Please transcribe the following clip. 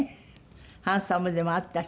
ハンサムでもあったし。